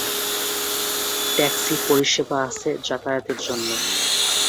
Taxi পরিসেবা আছে যাতায়াতের জন্য।